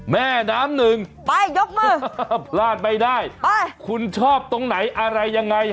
แม่น้ำหนึ่งไปยกมือพลาดไม่ได้ไปคุณชอบตรงไหนอะไรยังไง